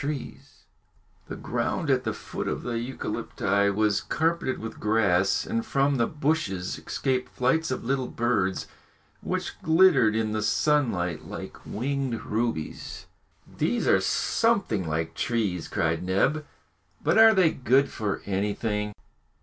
[Illustration: THE HALT FOR BREAKFAST] The ground at the foot of the eucalypti was carpeted with grass, and from the bushes escaped flights of little birds, which glittered in the sunlight like winged rubies. "These are something like trees!" cried Neb; "but are they good for anything?"